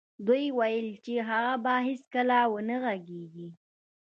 دوی ویل چې هغه به هېڅکله و نه غږېږي